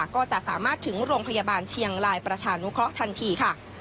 ก็จะสามารถถึงโรงพยาบาลเชียงรายประชานุเคราะห์ทันทีค่ะ